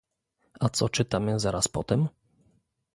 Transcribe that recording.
A co czytamy zaraz potem?